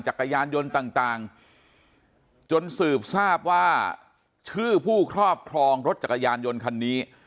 จักรยานยนต์ต่างจนสืบทราบว่าชื่อผู้ครอบครองรถจักรยานยนต์คันนี้